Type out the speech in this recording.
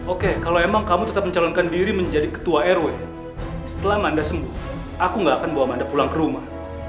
oke kalau emang kamu tetap mencalonkan diri menjadi ketua rw setelah manda sembuh aku nggak akan bawa manda pulang ke rumah